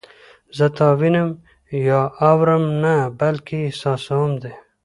زه تا وینم یا اورم نه بلکې احساسوم دې